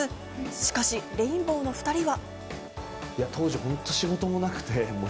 しかしレインボーのお２人は。